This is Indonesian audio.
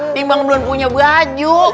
timbang belum punya baju